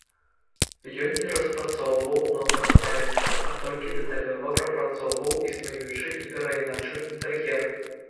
Ён не распрацоўваў новага праекта, а толькі дэталёва прапрацаваў існуючы і перайначыў інтэр'ер.